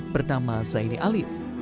bernama zaini alif